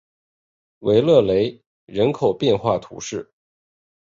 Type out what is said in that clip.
维勒雷人口变化图示